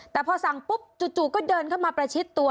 แต่พอสั่งปุ๊บจู่ก็เดินเข้ามาประชิดตัว